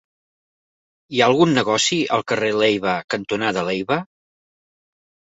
Hi ha algun negoci al carrer Leiva cantonada Leiva?